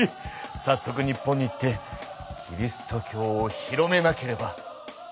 さっそく日本に行ってキリスト教を広めなければ。